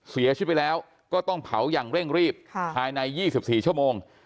เสียชีวิตไปแล้วก็ต้องเผาอย่างเร่งรีบภายใน๒๔ชั่วโมง